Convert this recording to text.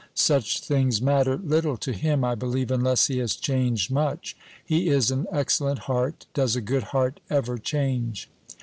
Such things matter little to liim, I believe, unless he has changed much ; his is an excellent heart. Does a good heart ever change